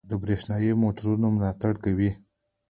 د بریښنايي موټرو ملاتړ کوي.